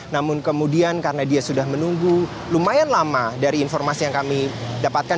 namun kemudian karena dia sudah menunggu lumayan lama dari informasi yang kami dapatkan